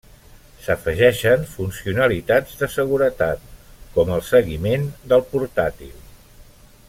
S’afegeixen funcionalitats de seguretat, com el seguiment del portàtil.